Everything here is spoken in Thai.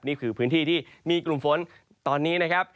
นี่คือพื้นที่ที่มีกลุ่มฝนตอนนี้นะครับ